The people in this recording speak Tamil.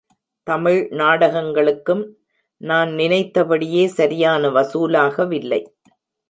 தமிழ் நாடகங்களுக்கும், நான் நினைத்தபடியே சரியான வசூலாக வில்லை.